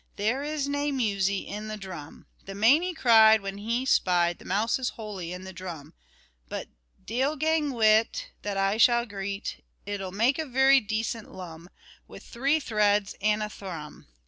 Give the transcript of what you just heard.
There is nae musie in the drum," The manie cried, When he spied The mousie's holie in the drum. "But deil gang wi' it, That I should greet,[6 (12)] It'll mak a very decent lum[6 (13)] Wi' three threads and a thrum."